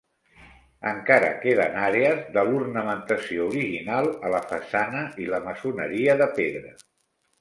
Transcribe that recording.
Encara queden àrees de l'ornamentació original a la façana i la maçoneria de pedra.